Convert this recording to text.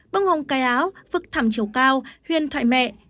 bông hồng cài áo vực thẳm chiều cao huyền thoại mẹ